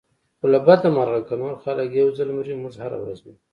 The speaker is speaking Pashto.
خو له بده مرغه که نور خلک یو ځل مري موږ هره ورځ مرو.